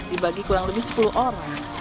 dibagi kurang lebih sepuluh orang